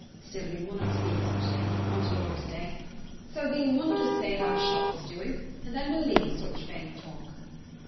Still we munnot speak o' such things on t' Lord's day. So thee mun just say how t' shop is doing, and then we'll leave such vain talk.'